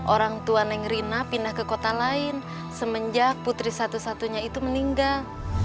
orangtua neng rina pindah ke kota lain semenjak putri satu satunya itu meninggal